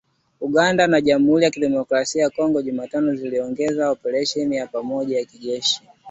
Uganda na Jamhuri ya Kidemokrasi ya Kongo Jumatano ziliongeza oparesheni ya pamoja ya kijeshi